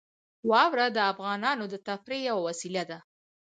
واوره د افغانانو د تفریح یوه وسیله ده.